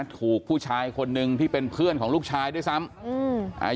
ถูกผู้ชายคนนึงที่เป็นเพื่อนของลูกชายด้วยซ้ำ